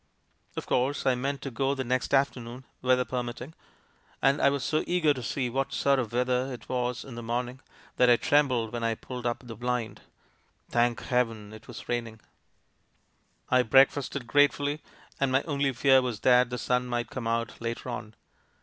"Of course, I meant to go the next afternoon — weather permitting — and I was so eager to see what sort of weather it was in the morning that I trembled when I pulled u]) the blind. Thank Heaven! it was rairiing. I breakfasted grate fully, and my only fear was that the sun might come out later on.